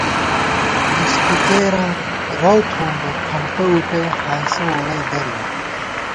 لِسپِکېراں رَؤ تھوم بہ کھمٹہ وُٹَئ ہانسہ ووڑَئی دَرِمہ